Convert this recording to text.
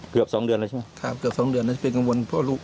เกือบสองเดือนแล้วใช่ไหมครับเกือบสองเดือนน่าจะเป็นกังวลพ่อลูก